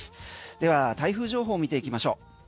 では台風情報を見ていきましょう。